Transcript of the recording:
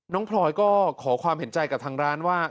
พลอยก็ขอความเห็นใจกับทางร้านว่า